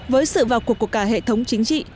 với sự vào cuộc của cả hệ thống chính trị